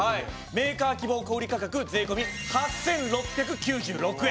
メーカー希望小売価格税込８６９６円。